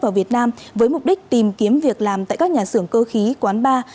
vào việt nam với mục đích tìm kiếm việc làm tại các nhà xưởng cơ khí quán bar